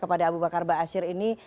kepada abu bakar ba'asyir ini